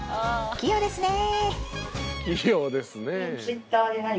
器用ですねえ。